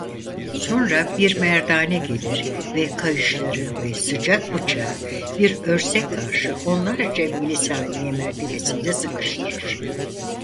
Sonra bir merdane gelir ve kayışları ve sıcak bıçağı bir örse karşı onlarca milisaniye mertebesinde sıkıştırır.